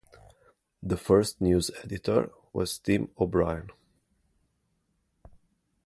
The first News Editor was Tim O'Brien.